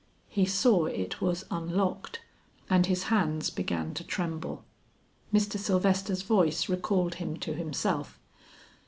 He saw it was unlocked, and his hands began to tremble. Mr. Sylvester's voice recalled him to himself.